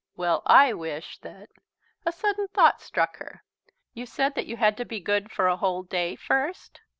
"Well, I wish that " A sudden thought struck her. "You said that you had to be good for a whole day first?"